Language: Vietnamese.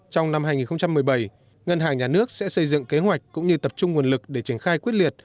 trong năm hai nghìn một mươi bảy ngân hàng nhà nước sẽ xây dựng kế hoạch cũng như tập trung nguồn lực để triển khai quyết liệt